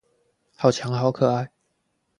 好強好可愛